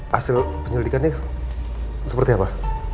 hasil penyelidikannya seperti apa